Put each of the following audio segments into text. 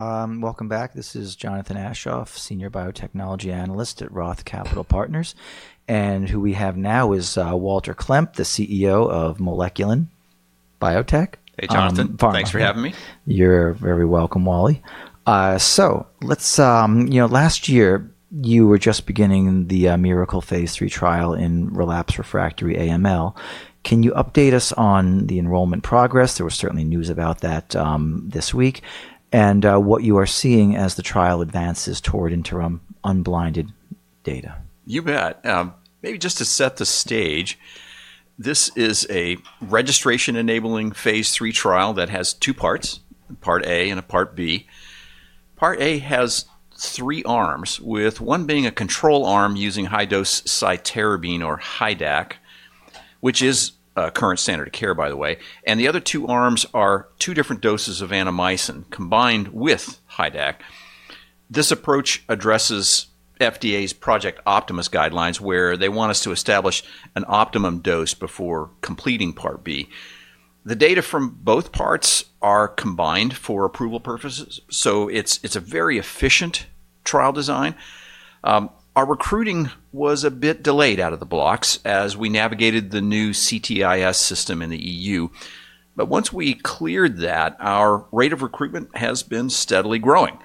Welcome back. This is Jonathan Aschoff, senior biotechnology analyst at Roth Capital Partners. Who we have now is Walter Klemp, the CEO of Moleculin Biotech. Hey, Jonathan. Um- Thanks for having me. You're very welcome, Wally. You know, last year you were just beginning the MIRACLE phase III trial in relapsed refractory AML. Can you update us on the enrollment progress? There was certainly news about that this week, and what you are seeing as the trial advances toward interim unblinded data? You bet. Maybe just to set the stage, this is a registration-enabling phase III trial that has two parts, part A and part B. Part A has three arms, with one being a control arm using high-dose cytarabine or HiDAC, which is a current standard of care, by the way, and the other two arms are two different doses of Annamycin combined with HiDAC. This approach addresses FDA's Project Optimus guidelines, where they want us to establish an optimum dose before completing part B. The data from both parts are combined for approval purposes, so it's a very efficient trial design. Our recruiting was a bit delayed out of the blocks as we navigated the new CTIS system in the E.U. Once we cleared that, our rate of recruitment has been steadily growing.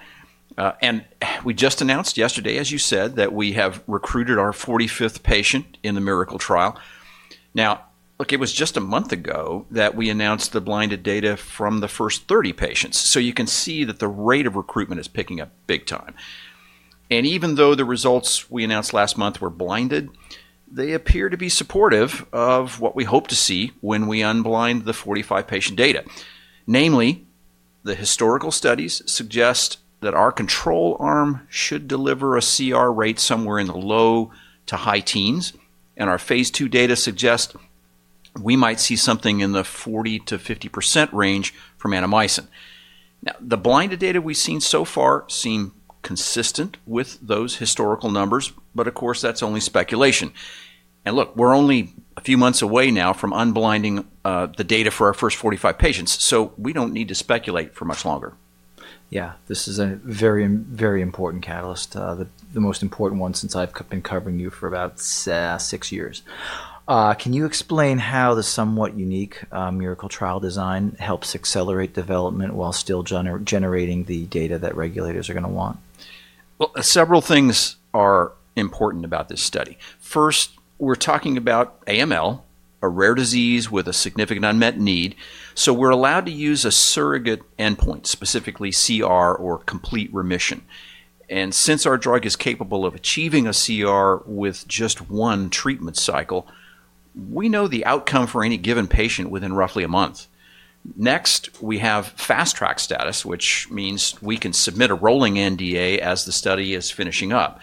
We just announced yesterday, as you said, that we have recruited our 45th patient in the MIRACLE trial. Now, look, it was just a month ago that we announced the blinded data from the first 30 patients. You can see that the rate of recruitment is picking up big time. Even though the results we announced last month were blinded, they appear to be supportive of what we hope to see when we unblind the 45-patient data. Namely, the historical studies suggest that our control arm should deliver a CR rate somewhere in the low to high teens, and our phase II data suggest we might see something in the 40%-50% range from Annamycin. Now, the blinded data we've seen so far seem consistent with those historical numbers, but of course, that's only speculation. Look, we're only a few months away now from unblinding the data for our first 45 patients, so we don't need to speculate for much longer. Yeah, this is a very, very important catalyst, the most important one since I've been covering you for about six years. Can you explain how the somewhat unique MIRACLE trial design helps accelerate development while still generating the data that regulators are gonna want? Well, several things are important about this study. First, we're talking about AML, a rare disease with a significant unmet need, so we're allowed to use a surrogate endpoint, specifically CR or complete remission. Since our drug is capable of achieving a CR with just one treatment cycle, we know the outcome for any given patient within roughly a month. Next, we have fast track status, which means we can submit a rolling NDA as the study is finishing up.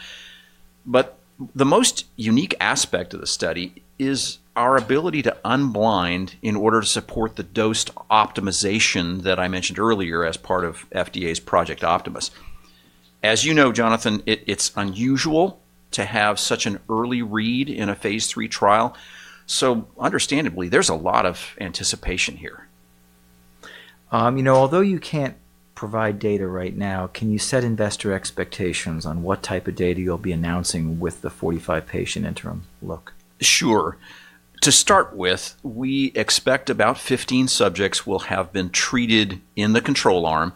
The most unique aspect of the study is our ability to unblind in order to support the dose optimization that I mentioned earlier as part of FDA's Project Optimus. As you know, Jonathan, it's unusual to have such an early read in a phase III trial, so understandably, there's a lot of anticipation here. You know, although you can't provide data right now, can you set investor expectations on what type of data you'll be announcing with the 45 patient interim look? Sure. To start with, we expect about 15 subjects will have been treated in the control arm,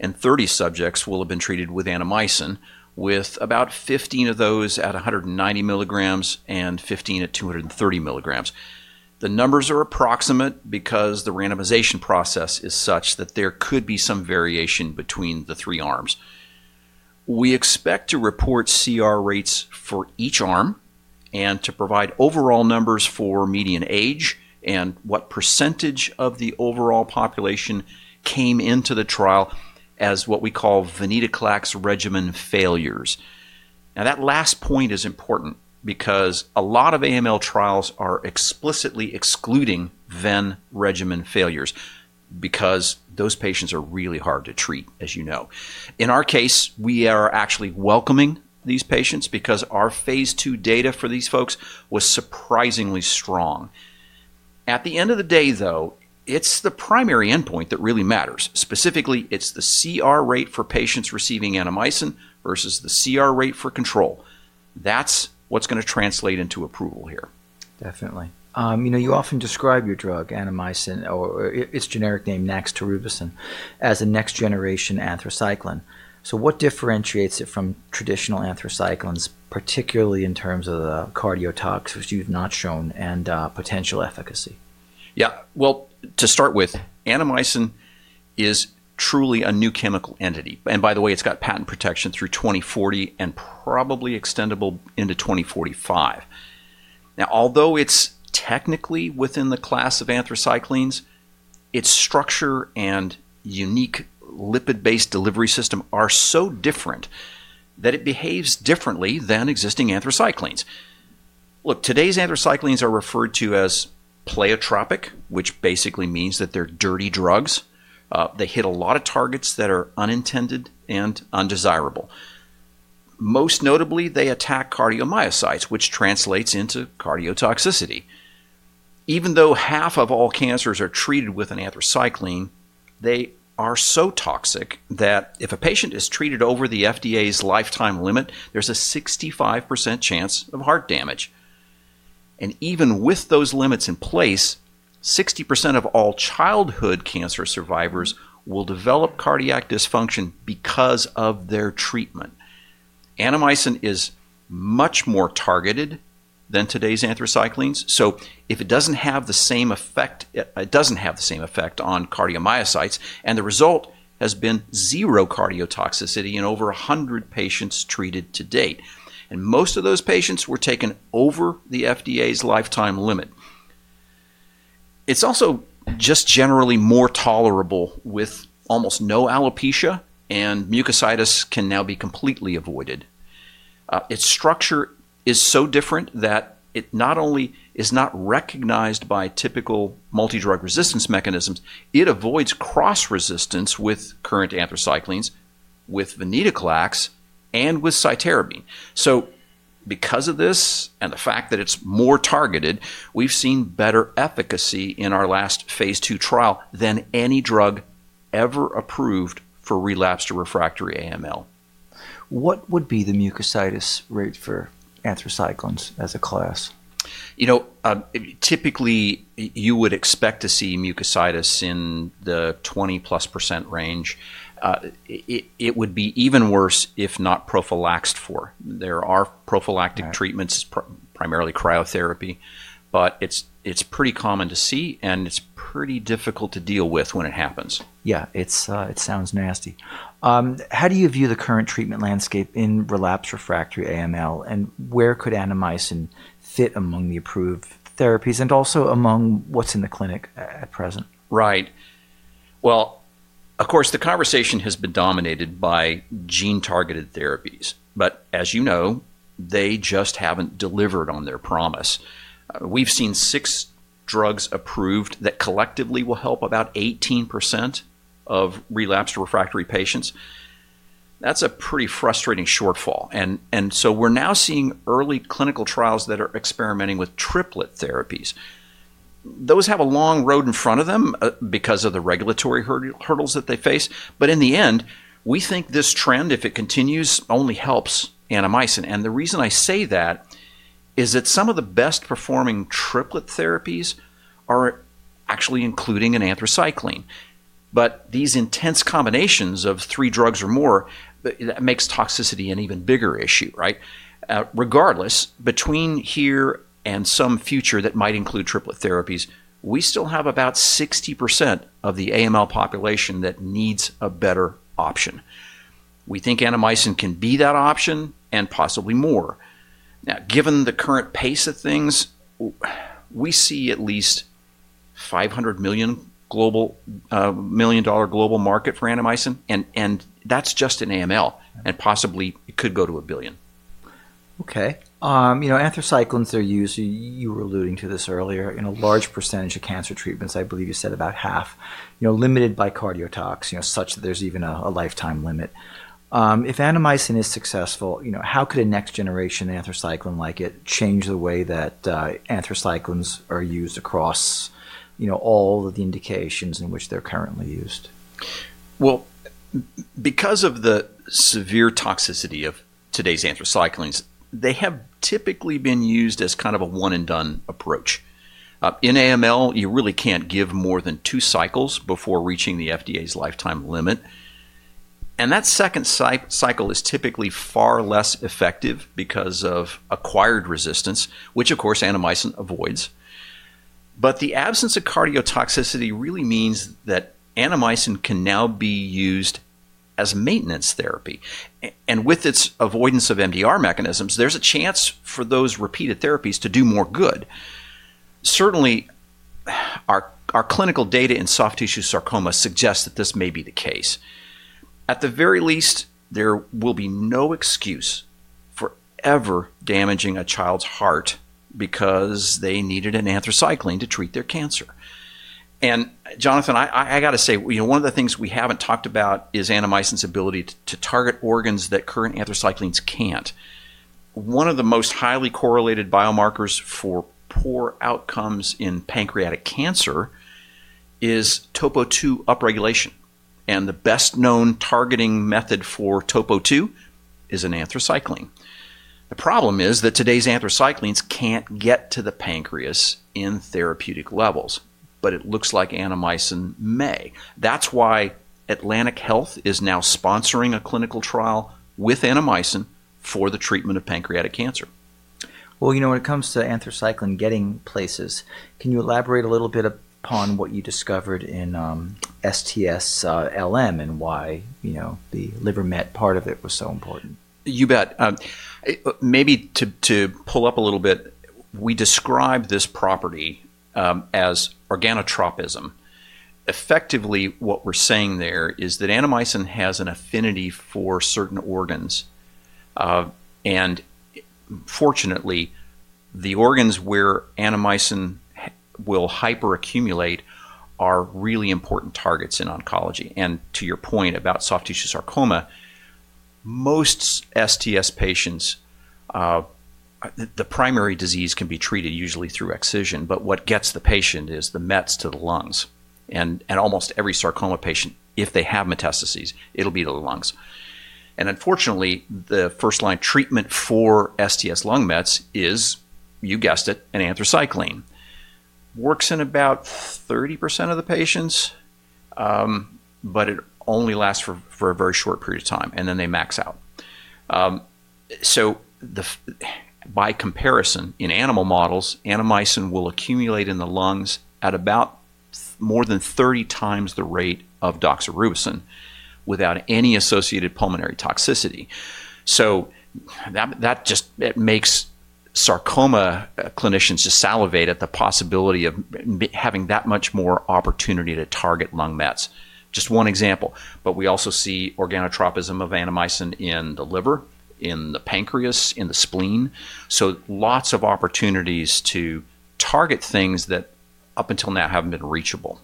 and 30 subjects will have been treated with Annamycin, with about 15 of those at 190 milligrams and 15 at 230 milligrams. The numbers are approximate because the randomization process is such that there could be some variation between the three arms. We expect to report CR rates for each arm and to provide overall numbers for median age and what percentage of the overall population came into the trial as what we call venetoclax regimen failures. Now, that last point is important because a lot of AML trials are explicitly excluding ven regimen failures because those patients are really hard to treat, as you know. In our case, we are actually welcoming these patients because our phase II data for these folks was surprisingly strong. At the end of the day, though, it's the primary endpoint that really matters. Specifically, it's the CR rate for patients receiving Annamycin versus the CR rate for control. That's what's gonna translate into approval here. Definitely. You often describe your drug, Annamycin, or its generic name, annamycin, as a next generation anthracycline. What differentiates it from traditional anthracyclines, particularly in terms of the cardiotoxicity you've not shown and potential efficacy? Yeah. Well, to start with, Annamycin is truly a new chemical entity. By the way, it's got patent protection through 2040 and probably extendable into 2045. Now, although it's technically within the class of anthracyclines, its structure and unique lipid-based delivery system are so different that it behaves differently than existing anthracyclines. Look, today's anthracyclines are referred to as pleiotropic, which basically means that they're dirty drugs. They hit a lot of targets that are unintended and undesirable. Most notably, they attack cardiomyocytes, which translates into cardiotoxicity. Even though half of all cancers are treated with an anthracycline, they are so toxic that if a patient is treated over the FDA's lifetime limit, there's a 65% chance of heart damage. Even with those limits in place, 60% of all childhood cancer survivors will develop cardiac dysfunction because of their treatment. Annamycin is much more targeted than today's anthracyclines, so if it doesn't have the same effect, it doesn't have the same effect on cardiomyocytes, and the result has been zero cardiotoxicity in over 100 patients treated to date, and most of those patients were taken over the FDA's lifetime limit. It's also just generally more tolerable, with almost no alopecia, and mucositis can now be completely avoided. Its structure is so different that it not only is not recognized by typical multidrug resistance mechanisms, it avoids cross-resistance with current anthracyclines, with venetoclax, and with cytarabine. Because of this and the fact that it's more targeted, we've seen better efficacy in our last phase II trial than any drug ever approved for relapsed or refractory AML. What would be the Mucositis rate for Anthracyclines as a class? You know, typically, you would expect to see mucositis in the 20%+ range. It would be even worse if not prophylaxed for. There are prophylactic- Right treatments, primarily cryotherapy, but it's pretty common to see, and it's pretty difficult to deal with when it happens. Yeah. It sounds nasty. How do you view the current treatment landscape in relapsed/refractory AML, and where could Annamycin fit among the approved therapies and also among what's in the clinic at present? Right. Well, of course, the conversation has been dominated by gene-targeted therapies. As you know, they just haven't delivered on their promise. We've seen six drugs approved that collectively will help about 18% of relapsed refractory patients. That's a pretty frustrating shortfall. We're now seeing early clinical trials that are experimenting with triplet therapies. Those have a long road in front of them, because of the regulatory hurdle, hurdles that they face. In the end, we think this trend, if it continues, only helps Annamycin. The reason I say that is that some of the best-performing triplet therapies are actually including an Anthracycline. These intense combinations of three drugs or more, that makes toxicity an even bigger issue, right? Regardless, between here and some future that might include triplet therapies, we still have about 60% of the AML population that needs a better option. We think Annamycin can be that option and possibly more. Now, given the current pace of things, we see at least $500 million global market for Annamycin, and that's just in AML. Okay. Possibly it could go to $1 billion. Okay. Anthracyclines are used, you were alluding to this earlier, in a large percentage of cancer treatments, I believe you said about half, limited by cardiotox such that there's even a lifetime limit. If Annamycin is successful, how could a next-generation anthracycline like it change the way that anthracyclines are used across, you know, all of the indications in which they're currently used? Well, because of the severe toxicity of today's anthracyclines, they have typically been used as kind of a one-and-done approach. In AML, you really can't give more than two cycles before reaching the FDA's lifetime limit, and that second cycle is typically far less effective because of acquired resistance, which, of course, Annamycin avoids. The absence of cardiotoxicity really means that Annamycin can now be used as maintenance therapy. With its avoidance of MDR mechanisms, there's a chance for those repeated therapies to do more good. Certainly, our clinical data in soft tissue sarcoma suggests that this may be the case. At the very least, there will be no excuse for ever damaging a child's heart because they needed an anthracycline to treat their cancer. Jonathan, I got to say one of the things we haven't talked about is Annamycin's ability to target organs that current anthracyclines can't. One of the most highly correlated biomarkers for poor outcomes in pancreatic cancer is TOPOII upregulation, and the best-known targeting method for TOPOII is an anthracycline. The problem is that today's anthracyclines can't get to the pancreas in therapeutic levels, but it looks like Annamycin may. That's why Atlantic Health is now sponsoring a clinical trial with Annamycin for the treatment of pancreatic cancer. Well, you know, when it comes to Anthracycline getting places, can you elaborate a little bit upon what you discovered in STS, LM and why the liver met part of it was so important? You bet. Maybe to pull up a little bit, we describe this property as organotropism. Effectively, what we're saying there is that Annamycin has an affinity for certain organs, and fortunately, the organs where Annamycin will hyperaccumulate are really important targets in oncology. To your point about soft tissue sarcoma, most STS patients, the primary disease can be treated usually through excision, but what gets the patient is the mets to the lungs. Almost every sarcoma patient, if they have metastases, it'll be the lungs. Unfortunately, the first line treatment for STS lung mets is, you guessed it, an anthracycline. Works in about 30% of the patients, but it only lasts for a very short period of time, and then they max out. By comparison, in animal models, Annamycin will accumulate in the lungs at about more than 30 times the rate of doxorubicin without any associated pulmonary toxicity. That just makes sarcoma clinicians salivate at the possibility of having that much more opportunity to target lung mets. Just one example, but we also see organotropism of Annamycin in the liver, in the pancreas, in the spleen. Lots of opportunities to target things that up until now haven't been reachable.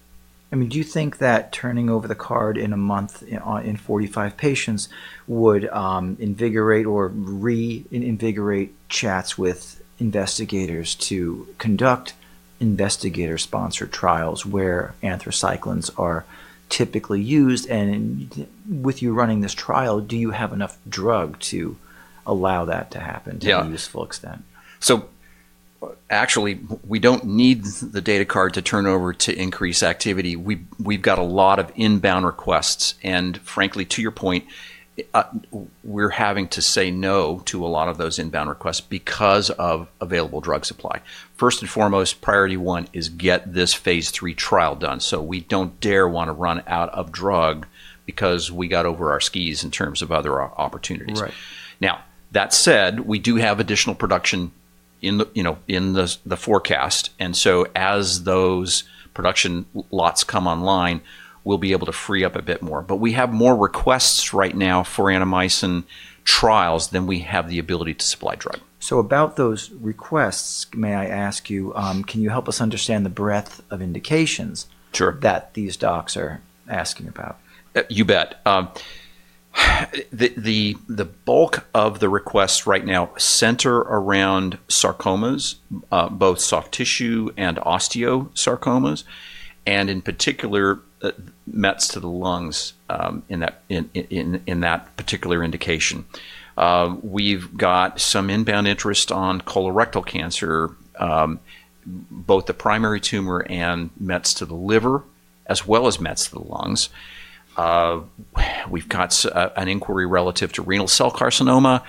I mean, do you think that turning over the card in a month, in 45 patients would invigorate or reinvigorate chats with investigators to conduct investigator-sponsored trials where anthracyclines are typically used? With you running this trial, do you have enough drug to allow that to happen- Yeah ....to a useful extent? Actually, we don't need the data card to turn over to increase activity. We've got a lot of inbound requests, and frankly, to your point, we're having to say no to a lot of those inbound requests because of available drug supply. First and foremost, priority one is get this phase III trial done, we don't dare wanna run out of drug because we got over our skis in terms of other opportunities. Right. Now, that said, we do have additional production in the, you know, in the forecast, and so as those production lots come online, we'll be able to free up a bit more. But we have more requests right now for Annamycin trials than we have the ability to supply drug. About those requests, may I ask you, can you help us understand the breadth of indications? Sure .....that these docs are asking about? You bet. The bulk of the requests right now center around sarcomas, both soft tissue and osteosarcomas, and in particular, mets to the lungs, in that particular indication. We've got some inbound interest on colorectal cancer, both the primary tumor and mets to the liver, as well as mets to the lungs. We've got an inquiry relative to renal cell carcinoma.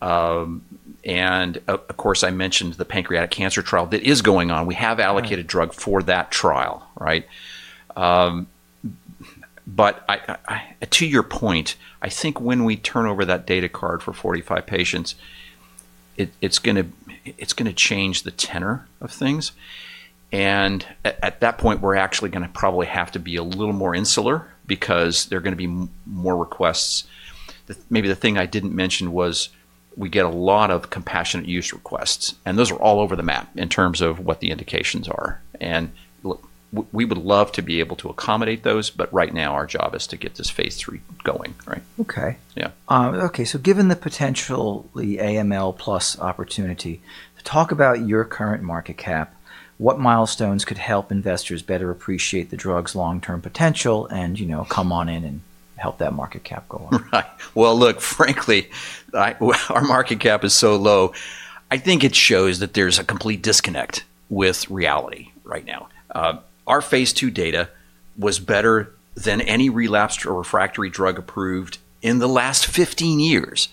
Of course, I mentioned the pancreatic cancer trial that is going on. We have allocated drug for that trial, right? I... To your point, I think when we turn over that data card for 45 patients, it's gonna change the tenor of things, and at that point, we're actually gonna probably have to be a little more insular because there are gonna be more requests. Maybe the thing I didn't mention was we get a lot of compassionate use requests, and those are all over the map in terms of what the indications are. Look, we would love to be able to accommodate those, but right now our job is to get this phase III going, right? Okay. Yeah. Okay. Given the potential, the AML plus opportunity, talk about your current market cap. What milestones could help investors better appreciate the drug's long-term potential and, you know, come on in and help that market cap go up? Right. Well, look, frankly, our market cap is so low, I think it shows that there's a complete disconnect with reality right now. Our phase II data was better than any relapsed or refractory drug approved in the last 15 years.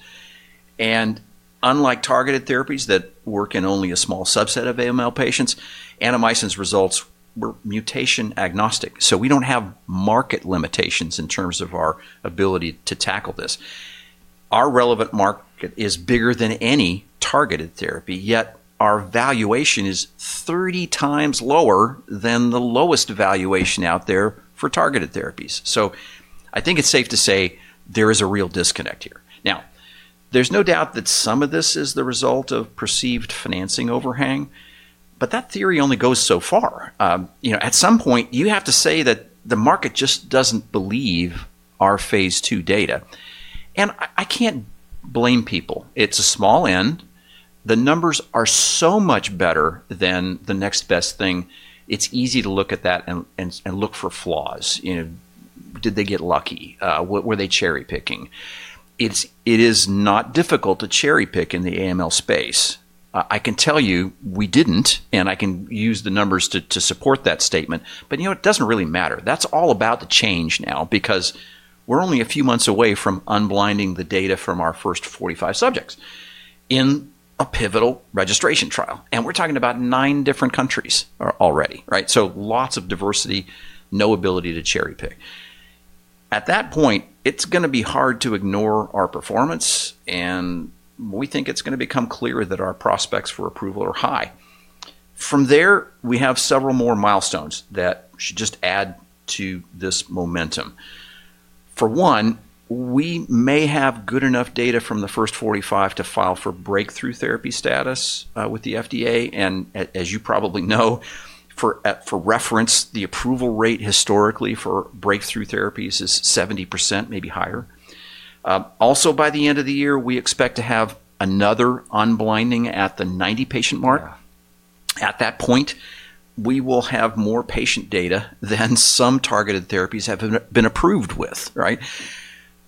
Unlike targeted therapies that work in only a small subset of AML patients, Annamycin's results were mutation agnostic. We don't have market limitations in terms of our ability to tackle this. Our relevant market is bigger than any targeted therapy, yet our valuation is 30 times lower than the lowest valuation out there for targeted therapies. I think it's safe to say there is a real disconnect here. Now, there's no doubt that some of this is the result of perceived financing overhang, but that theory only goes so far. You know, at some point, you have to say that the market just doesn't believe our phase II data, and I can't blame people. It's a small n. The numbers are so much better than the next best thing. It's easy to look at that and look for flaws. You know, did they get lucky? Were they cherry-picking? It is not difficult to cherry-pick in the AML space. I can tell you we didn't, and I can use the numbers to support that statement, but you know, it doesn't really matter. That's all about to change now because we're only a few months away from unblinding the data from our first 45 subjects in a pivotal registration trial, and we're talking about nine different countries already, right? So lots of diversity, no ability to cherry-pick. At that point, it's gonna be hard to ignore our performance, and we think it's gonna become clear that our prospects for approval are high. From there, we have several more milestones that should just add to this momentum. For one, we may have good enough data from the first 45 to file for breakthrough therapy status, with the FDA, and as you probably know, for reference, the approval rate historically for breakthrough therapies is 70%, maybe higher. Also, by the end of the year, we expect to have another unblinding at the 90-patient mark. Yeah. At that point, we will have more patient data than some targeted therapies have been approved with, right?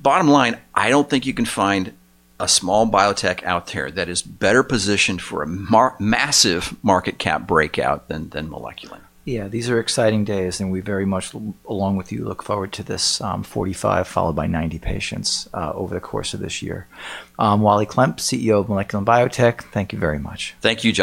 Bottom line, I don't think you can find a small biotech out there that is better positioned for a massive market cap breakout than Moleculin. Yeah. These are exciting days, and we very much, along with you, look forward to this, 45 followed by 90 patients, over the course of this year. Wally Klemp, CEO of Moleculin Biotech, thank you very much. Thank you, John.